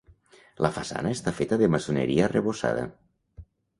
La façana està feta de maçoneria arrebossada.